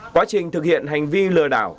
quá trình thực hiện hành vi lừa đảo